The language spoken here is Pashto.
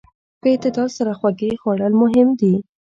په اعتدال سره خوږې خوړل مهم دي.